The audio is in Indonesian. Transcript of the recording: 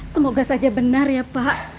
semoga saja benar ya pak